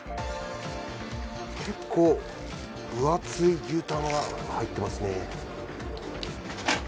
結構、分厚い牛タンが入ってますね。